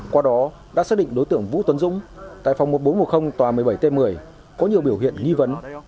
qua đó đã xác định đối tượng vũ tuấn dũng tại phòng một nghìn bốn trăm một mươi tòa một mươi bảy t một mươi có nhiều biểu hiện nghi vấn